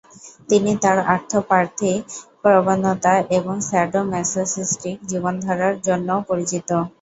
তিনি তার আর্থ-প্যাথিক প্রবণতা এবং স্যাডো-ম্যাসোসিস্টিক জীবনধারার জন্যও পরিচিত।